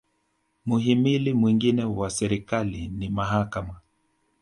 muhimili mwingine wa serikali ni mahakama